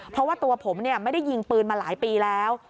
เพราะว่าตัวผมไม่ได้ยิงปืนมาหลายปีแล้ว